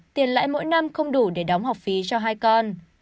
tiền lãi mỗi năm không đủ để đóng học phí cho hai con